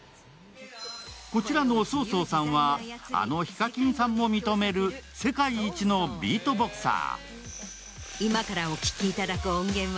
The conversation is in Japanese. こちらのＳＯ−ＳＯさんは、あのＨＩＫＡＫＩＮさんも認める世界一のビートボクサー。